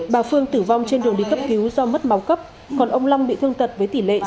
bà phương tử vong trên đường đi cấp cứu do mất máu cấp còn ông long bị thương tật với tỷ lệ sáu mươi hai